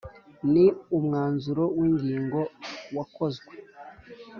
Ni umwanzuro w inyigo wakozwe